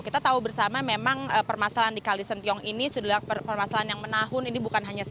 kita tahu bersama memang permasalahan di kalisentiong ini sudah adalah permasalahan yang menahun